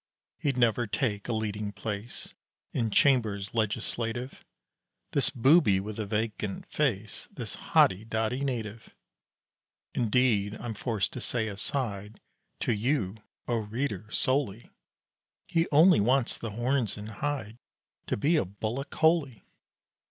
He'd never take a leading place In chambers legislative: This booby with the vacant face This hoddy doddy native! Indeed, I'm forced to say aside, To you, O reader, solely, He only wants the horns and hide To be a bullock wholly.